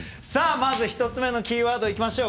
１つ目のキーワードいきましょう。